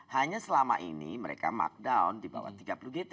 hanya selama ini mereka markdown di bawah tiga puluh gt